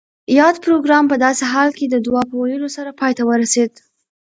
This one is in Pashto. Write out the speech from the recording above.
یاد پروګرام پۀ داسې حال کې د دعا پۀ ویلو سره پای ته ورسید